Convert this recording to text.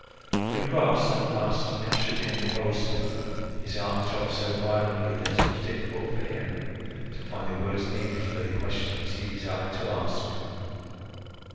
When Gras at last ushered in the goldsmith, his heart throbbed so violently that it was difficult for him to find the words needed for the questions he desired to ask.